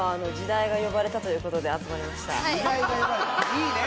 いいね！